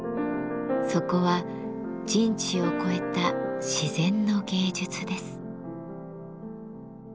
そこは人知を超えた自然の芸術です。